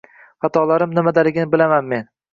Xatolarim nimadaligini bilaman men.